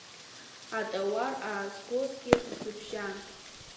Атауар аазгозгьы рзыбжьан.